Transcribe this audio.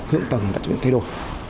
hướng tầng đã chuyển thay đổi